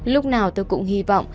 lúc nào tôi cũng hy vọng